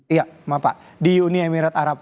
iya maaf pak di uni emirat arab